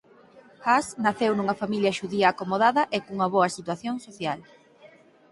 Haas naceu nunha familia xudía acomodada e cunha boa situación social.